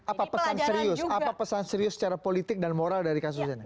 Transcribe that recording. apa pesan serius secara politik dan moral dari kasusnya